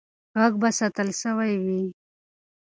غږ به ساتل سوی وي.